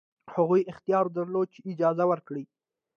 هغوی اختیار درلود چې اجازه ورکړي.